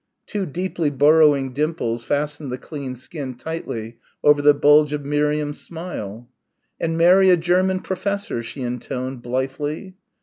Two deeply burrowing dimples fastened the clean skin tightly over the bulge of Miriam's smile. "And marry a German professor," she intoned blithely.